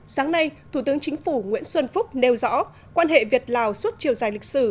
sáng nay thủ tướng chính phủ nguyễn xuân phúc nêu rõ quan hệ việt lào suốt chiều dài lịch sử